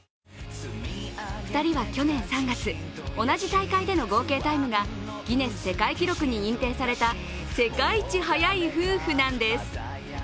２人は去年３月、同じ大会での合計タイムがギネス世界記録に認定された世界一速い夫婦なんです。